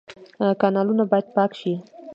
کانالونه باید پاک شي